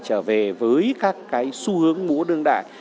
trở về với các xu hướng múa đương đại